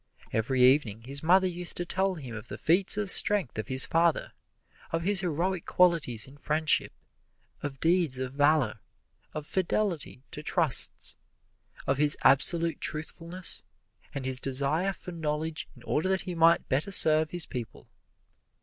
Every evening his mother used to tell him of the feats of strength of his father, of his heroic qualities in friendship, of deeds of valor, of fidelity to trusts, of his absolute truthfulness, and his desire for knowledge in order that he might better serve his people.